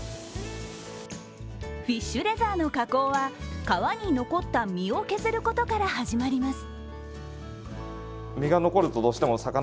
フィッシュレザーの加工は皮に残った身を削ることから始まります。